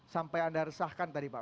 sampai anda resahkan tadi pak